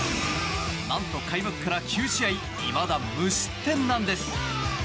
何と開幕から９試合いまだ無失点なんです。